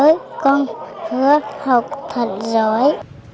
tết con hứa học thật giỏi